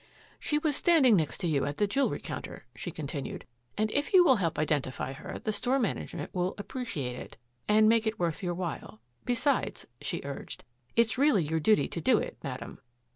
"She was standing next to you at the jewelry counter," she continued, "and if you will help identify her the store management will appreciate it and make it worth your while. Besides," she urged, "It's really your duty to do it, madam."